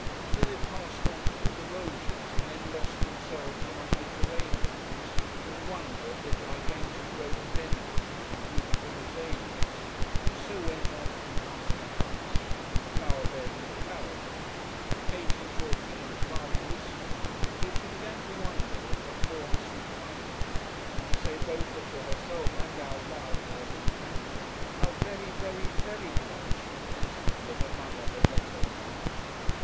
So they passed on through the roses, and then lost themselves among the geraniums, and wondered at the gigantic rhododendrons, and beautiful azaleas, and so went on from house to house, and from flower bed to flower bed, Katie talking and Charley listening, till she began to wonder at her former supineness, and to say both to herself and out loud to her companion, how very, very, very glad she was that her mother had let her come.